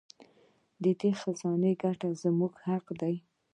د دې خزانې ګټه زموږ حق دی.